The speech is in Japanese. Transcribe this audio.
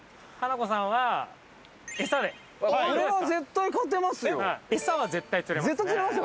これは絶対勝てますよ。